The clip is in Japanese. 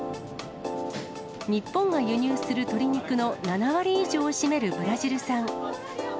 日本が輸入する鶏肉の７割以上を占めるブラジル産。